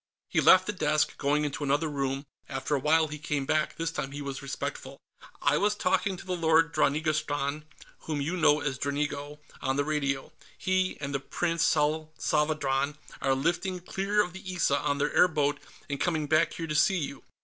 He left the desk, going into another room. After a while, he came back. This time he was respectful. "I was talking to the Lord Dranigrastan whom you know as Dranigo on the radio. He and the Prince Salsavadran are lifting clear of the Issa in their airboat and coming back here to see you.